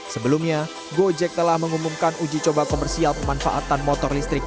sebelumnya gojek telah mengumumkan uji coba komersial pemanfaatan motor listrik